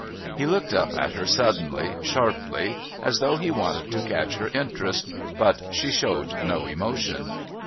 He looked up at her suddenly, sharply, as though he wanted to catch her interest. But she showed no emotion.